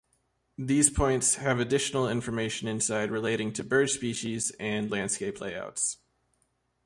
These points have additional information inside relating to bird species and landscape layouts.